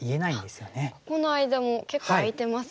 ここの間も結構空いてますもんね。